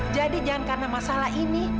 jadi jangan karena masalah ini